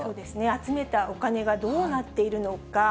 集めたお金がどうなっているのか。